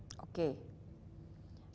sekarang kalau kita lihat